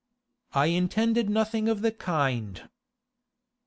'I intended nothing of the kind.